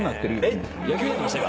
えっ野球になってました！？